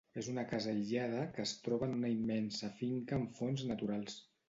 És una casa aïllada, que es troba en una immensa finca amb fonts naturals.